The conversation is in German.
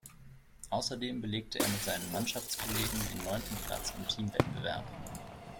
Außerdem belegte er mit seinen Mannschaftskollegen den neunten Platz im Team-Wettbewerb.